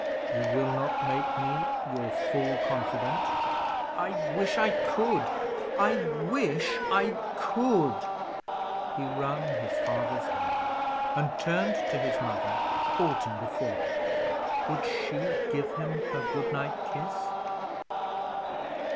"You will not make me your full confidant?" "I wish I could! I wish I could!" He wrung his father's hand, and turned to his mother, halting before her. Would she give him her good night kiss?